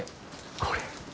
これ。